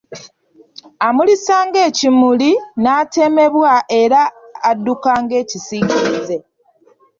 Amulisa ng'ekimuli n'atemebwa era adduka ng'ekisirize.